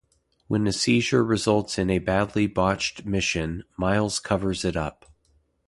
When a seizure results in a badly botched mission, Miles covers it up.